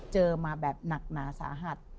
เจอมาแบบหนักหนาสาหัส